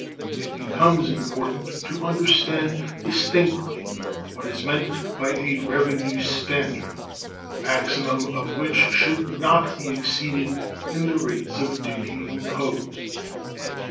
It becomes important to understand distinctly what is meant by a revenue standard the maximum of which should not be exceeded in the rates of duty imposed.